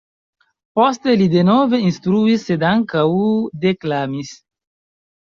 Poste li denove instruis, sed ankaŭ deklamis.